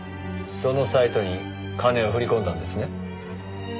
そのサイトに金を振り込んだんですね？